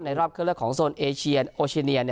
รอบเครื่องเลือกของโซนเอเชียนโอชิเนีย